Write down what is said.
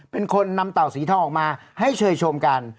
เป็นคนนำเต่าสีทองออกมาให้เชยชมกัน